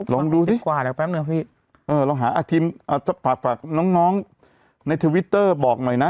ลองดูสิเออลองหาฝากน้องในทวิตเตอร์บอกหน่อยนะ